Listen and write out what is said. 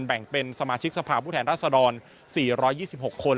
แบ่งเป็นสมาชิกสภาพผู้แทนรัศดร๔๒๖คน